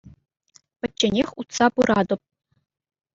Пӗчченех утса пыратӑп.